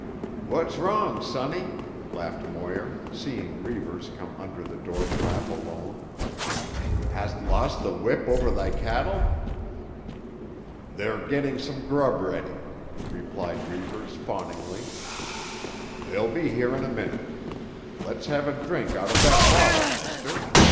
"What's wrong, sonny?" laughed Moir, seeing Reivers come under the door flap alone. "Hast lost the whip over thy cattle?" "They're getting some grub ready," replied Reivers fawningly. "They'll be here in a minute. Let's have a drink out of that bottle, mister.